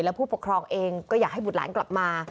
ผู้ปกครองเองก็อยากให้บุตรหลานกลับมา